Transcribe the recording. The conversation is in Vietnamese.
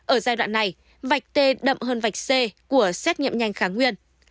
ở giai đoạn này vạch tê đậm hơn vạch c của xét nghiệm nhanh kháng nguyên